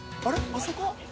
あそこは？